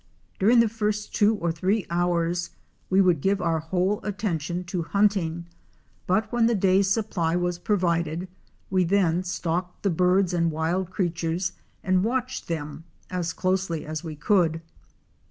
During the first two or three hours we would give our whole attention to hunting, but when the day's supply was provided, we then stalked the birds and wild creatures and watched them, as closely as we could.